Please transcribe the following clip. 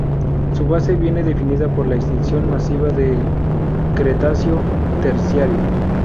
Su base viene definida por la Extinción masiva del Cretácico-Terciario.